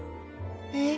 えっ？